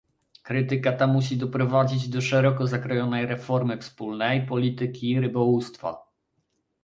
Krytyka ta musi doprowadzić do szeroko zakrojonej reformy wspólnej polityki rybołówstwa